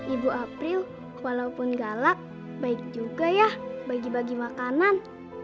ibu april walaupun galak baik juga ya bagi bagi makanan